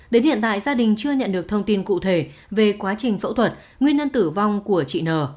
đến hiện tại gia đình chưa nhận được thông tin cụ thể về quá trình phẫu thuật nguyên nhân tử vong của chị n